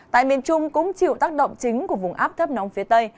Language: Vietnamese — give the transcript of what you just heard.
tại miền trung cũng chịu tác động chính của vùng áp thấp nóng phía tây